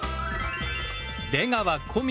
出川小宮